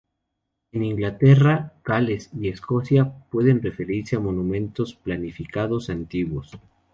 En Inglaterra, Gales y Escocia pueden referirse a Monumentos Planificados Antiguos.